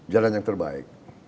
jalan yang terbaik